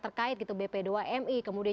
terkait gitu bp dua mi kemudian